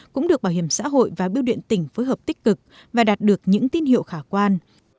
cũng được bảo hiểm xã hội và biêu điện tỉnh phối hợp tích cực và đạt được những tin hiệu khả quan